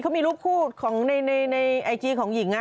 เขามีรูปคู่ในอีจีย์ของหญิงน่ะ